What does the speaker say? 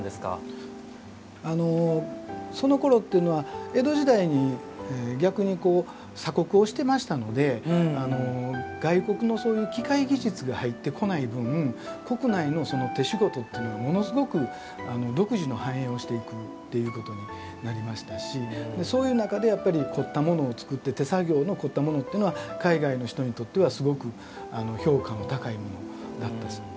あのそのころっていうのは江戸時代に逆に鎖国をしてましたので外国のそういう機械技術が入ってこない分国内の手仕事っていうのがものすごく独自の繁栄をしていくということになりましたしそういう中でやっぱり凝ったものを作って手作業の凝ったものっていうのは海外の人にとってはすごく評価の高いものだったと。